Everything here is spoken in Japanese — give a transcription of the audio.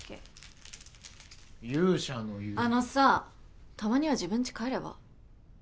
あのさたまには自分ち帰れば？